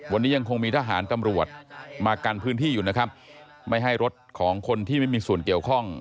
วันนี้ยังคงมีทหารตำรวจมากันพื้นที่อยู่นะครับไม่ให้รถของคนที่ไม่มีส่วนเกี่ยวข้อง